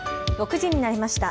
６時になりました。